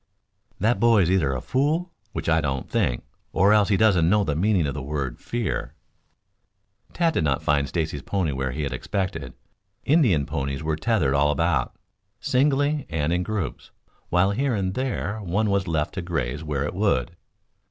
"That boy is either a fool which I don't think or else he doesn't know the meaning of the word 'fear.'" Tad did not find Stacy's pony where he had expected. Indian ponies were tethered all about, singly and in groups, while here and there one was left to graze where it would.